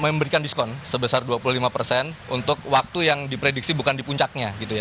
memberikan diskon sebesar dua puluh lima persen untuk waktu yang diprediksi bukan di puncaknya gitu ya